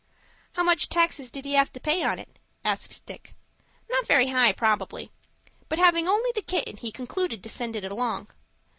"How much taxes did he have to pay on it?" asked Dick. "Not very high, probably. But having only the kitten, he concluded to send it along.